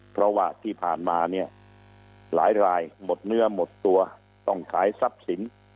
เพราะว่าที่ผ่านมาเนี่ยหลายรายหมดเนื้อหมดตัวต้องขายทรัพย์สิน